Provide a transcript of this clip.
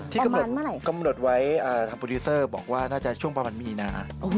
ที่กำหนดไว้ทางโปรดิวเซอร์บอกว่าน่าจะช่วงประมาณมีนา